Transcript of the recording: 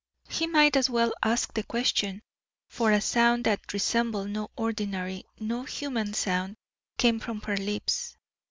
He might as well ask the question, for a sound that resembled no ordinary, no human sound, came from her lips.